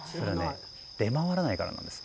出回らないからなんです。